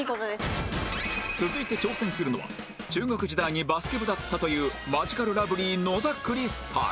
続いて挑戦するのは中学時代にバスケ部だったというマヂカルラブリー野田クリスタル